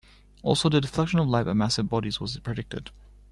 Also the deflection of light by massive bodies was predicted.